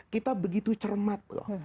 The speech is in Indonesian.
kita begitu cermat loh